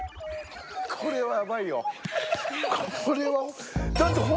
これはやばいよ。